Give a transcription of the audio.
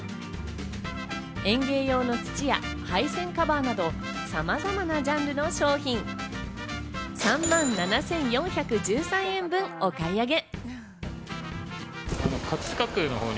園芸用の土や、配線カバーなど、さまざまなジャンルの商品、３万７４１３円分をお買い上げ。